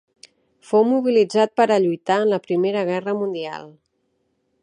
Fou mobilitzat per a lluitar en la Primera Guerra Mundial.